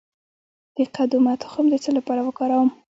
د قدومه تخم د څه لپاره وکاروم؟